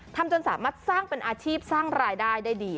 จนสามารถสร้างเป็นอาชีพสร้างรายได้ได้ดี